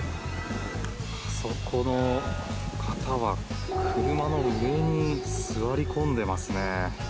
この方は車の上に座り込んでいますね。